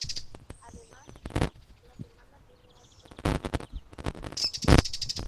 Además, la semana tiene ocho días y existen ocho estaciones del año.